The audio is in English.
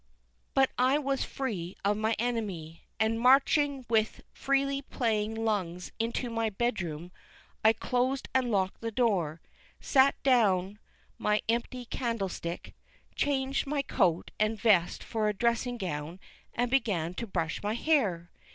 But I was free of my enemy; and marching with freely playing lungs into my bedroom, I closed and locked the door, set down my empty candlestick, changed my coat and vest for a dressing gown and began to brush my hair.